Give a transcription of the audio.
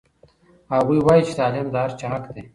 هغوی وایي چې تعلیم د هر چا حق دی.